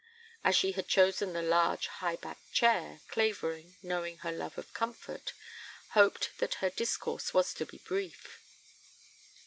As she had chosen the large high backed chair, Clavering, knowing her love of comfort, hoped that her discourse was to be brief.